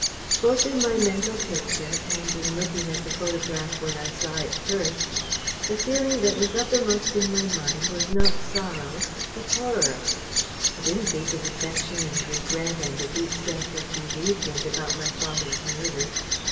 Both in my mental Picture, and in looking at the photograph when I saw it first, the feeling that was uppermost in my mind was not sorrow, but horror. I didn't think with affection and regret and a deep sense of bereavement about my father's murder.